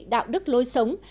đạo đức lối sống